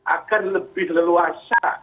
akan lebih leluasa